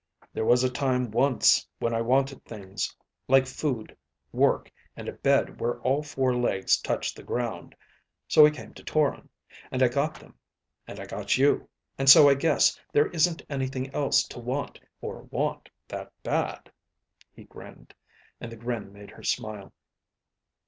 "There was a time once, when I wanted things. Like food, work, and a bed where all four legs touched the ground. So I came to Toron. And I got them. And I got you, and so I guess there isn't anything else to want, or want that bad." He grinned, and the grin made her smile.